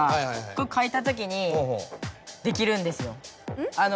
ここかいたときにできるんですよ。